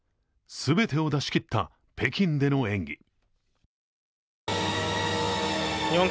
全てを出し切った北京での演技。